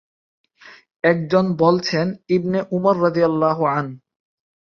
একজন বলছেন, Ibn Umar রা।